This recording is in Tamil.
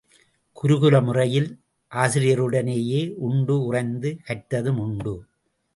குருகுல முறையில் ஆசிரியருடனேயே உண்டு உறைந்து கற்றதும் உண்டு.